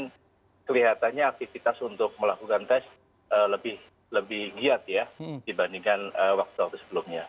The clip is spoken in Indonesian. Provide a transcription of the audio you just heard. dan kelihatannya aktivitas untuk melakukan tes lebih giat ya dibandingkan waktu waktu sebelumnya